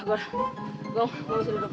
gue harus duduk